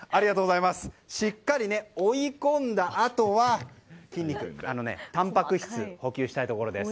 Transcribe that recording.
しっかり追い込んだあとは筋肉にたんぱく質補給したいです。